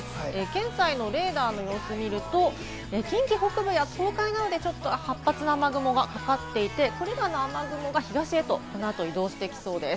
現在のレーダーの様子を見ると、近畿北部や東海などで発達した雨雲がかかっていて、これらの雨雲が東へとこのあと移動していきそうです。